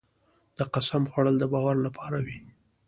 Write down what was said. د قسم خوړل د باور لپاره وي.